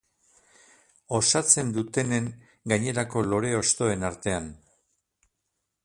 Osatzen dutenen gainerako lore-hostoen artean.